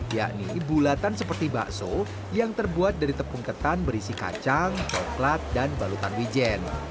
yakni bulatan seperti bakso yang terbuat dari tepung ketan berisi kacang coklat dan balutan wijen